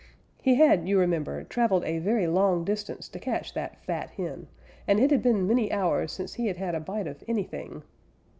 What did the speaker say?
He had, you remember, traveled a very long distance to catch that fat hen, and it had been many hours since he had had a bite of anything.